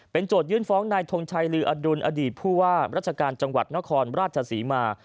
โจทยื่นฟ้องนายทงชัยลืออดุลอดีตผู้ว่าราชการจังหวัดนครราชศรีมา